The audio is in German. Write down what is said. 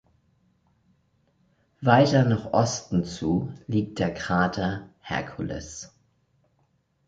Weiter nach Osten zu liegt der Krater Hercules.